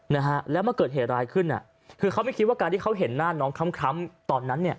นะฮะแล้วมาเกิดเหตุร้ายขึ้นอ่ะคือเขาไม่คิดว่าการที่เขาเห็นหน้าน้องคล้ำคล้ำตอนนั้นเนี่ย